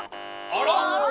あら。